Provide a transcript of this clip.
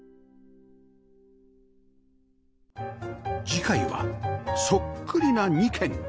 次回はそっくりな２軒